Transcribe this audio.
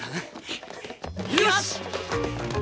よし！